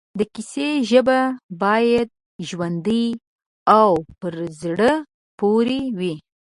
د کیسې ژبه باید ژوندۍ او پر زړه پورې وي